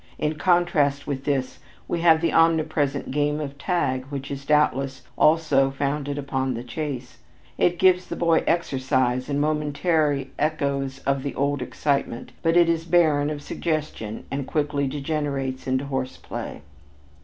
In contrast with this we have the omnipresent game of tag which is, doubtless, also founded upon the chase. It gives the boy exercise and momentary echoes of the old excitement, but it is barren of suggestion and quickly degenerates into horse play.